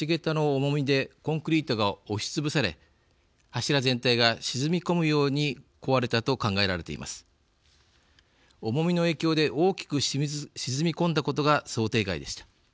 重みの影響で大きく沈み込んだことが想定外でした。